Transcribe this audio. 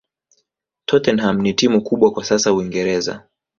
tottenham ni timu kubwa kwa sasa uingereza